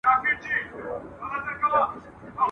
تېر به د ځوانۍ له پسرلیو لکه باد سمه !.